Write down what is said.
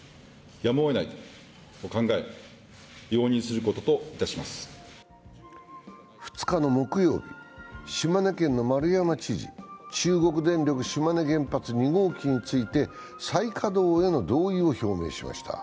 またその一方では２日の木曜日、島根県の丸山知事、中国電力・島根原発２号機について、再稼働への同意を表明しました。